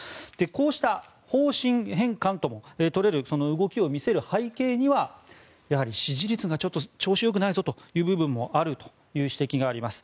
こうした方針変換ともとれる動きを見せる背景にはやはり支持率が調子よくないぞという部分があるという指摘があります。